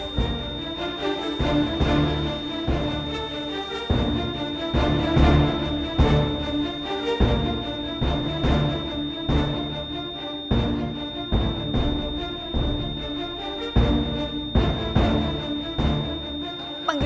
sampai jumpa di video selanjutnya